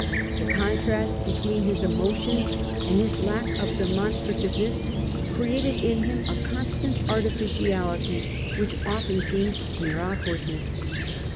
The contrast between his emotions and his lack of demonstrative ness created in him a constant artificiality which often seemed mere awkwardness.